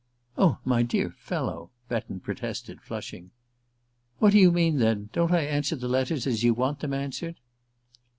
"Oh, my dear fellow " Betton protested, flushing. "What do you mean, then? Don't I answer the letters as you want them answered?"